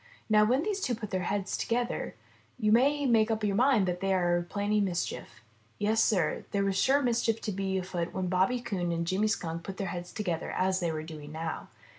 Now when these two put their heads to gether, you may make up your mind that they are planning mischief. Yes, Sir, there is sure to be mischief afoot when Bobby Coon and Jimmy Skunk put their heads together as they were doing now.